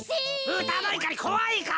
ブタのいかりこわいかお。